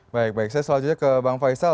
baik baik saya selanjutnya ke bang faisal